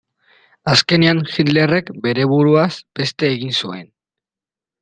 Azkenean Hitlerrek bere buruaz beste egin zuen.